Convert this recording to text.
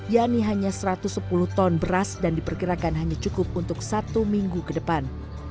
yakni hanya satu ratus sepuluh ton beras dan diperkirakan hanya cukup untuk satu minggu ke depan